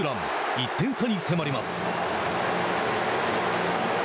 １点差に迫ります。